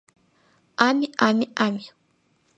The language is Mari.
— Амь, амь, амь...